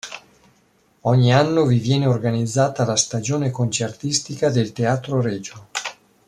Ogni anno vi viene organizzata la stagione concertistica del Teatro Regio.